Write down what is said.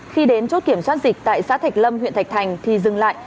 khi đến chốt kiểm soát dịch tại xã thạch lâm huyện thạch thành thì dừng lại